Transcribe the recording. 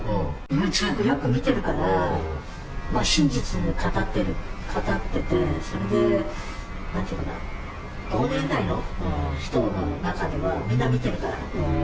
ユーチューブよく見てるから、真実を語ってる、語ってて、それでなんていうのかな、同年代の人の中では、みんな見てるから。